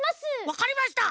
わかりました！